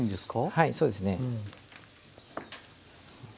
はいそうですね。